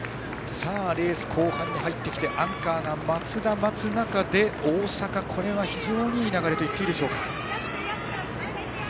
レース後半に入ってきてアンカー松田が待つ中で大阪、これは非常にいい流れといっていいか。